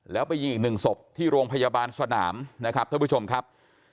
แล้วไปยิงอีกหนึ่งศพที่โรงพยาบาลสนามนะครับท่านผู้ชมครับ